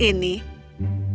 ini mungkin adalah